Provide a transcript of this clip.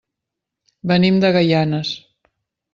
Venim de Gaianes.